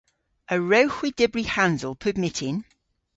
A wrewgh hwi dybri hansel pub myttin?